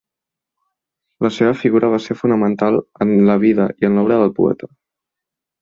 La seva figura va ser fonamental en la vida i en l'obra del poeta.